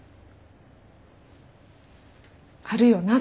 あるよな